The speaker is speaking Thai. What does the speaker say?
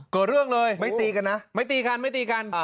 เกิดเรื่องเลยไม่ตีกันนะไม่ตีกันไม่ตีกัน